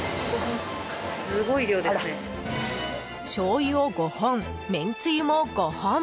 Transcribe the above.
しょうゆを５本めんつゆも５本。